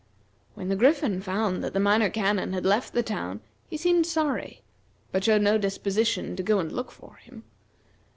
When the Griffin found that the Minor Canon had left the town he seemed sorry, but showed no disposition to go and look for him.